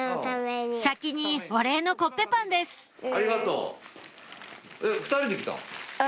先にお礼のコッペパンです２人で来たん？